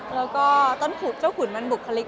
แล้วก็ต้นเจ้าขุนมันบุคลิก